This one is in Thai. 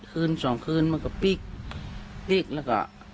คืนสองคืนมันก็ปิ๊กแล้วก็